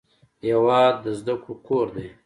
هېواد د زده کړو کور دی.